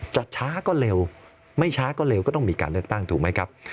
จะช้าก็เร็วไม่ช้าก็เร็วก็ต้องมีการเลือกตั้งถูกไหมครับ